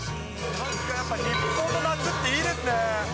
やっぱ、日本の夏っていいですね。